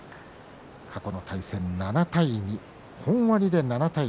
過去の対戦７対２、本割で７対２。